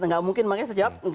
tidak mungkin makanya sejawab